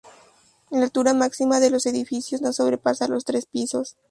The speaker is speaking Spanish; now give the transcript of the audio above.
La altura máxima de los edificios no sobrepasa los tres pisos.